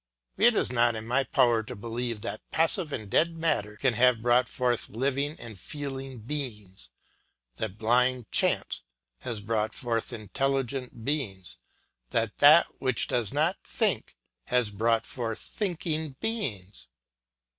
It is not in my power to believe that passive and dead matter can have brought forth living and feeling beings, that blind chance has brought forth intelligent beings, that that which does not think has brought forth thinking beings.